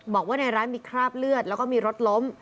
บอกว่าในร้านมีคราบเลือดแล้วก็มีรถล้ม